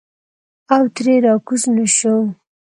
او ترې راکوز نه شو.